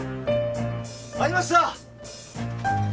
ありました！